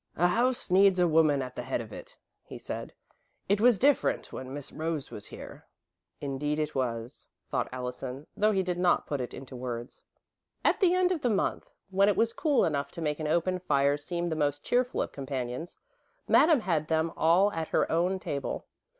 "A house needs a woman at the head of it," he said. "It was different when Miss Rose was here." "Indeed it was," thought Allison, though he did not put it into words. At the end of the month, when it was cool enough to make an open fire seem the most cheerful of companions, Madame had them all at her own table.